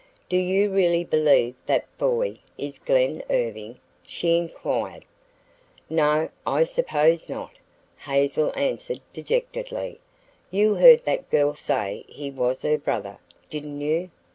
"Do you really believe that boy is Glen Irving?" she inquired. "No, I suppose not," Hazel answered dejectedly. "You heard that girl say he was her brother, didn't you?